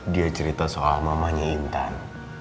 dia cerita soal mamanya intan